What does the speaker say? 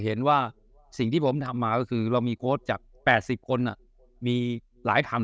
เห็นว่าสิ่งที่ผมทำมาก็คือเรามีโค้ชจาก๘๐คนมีหลายคำ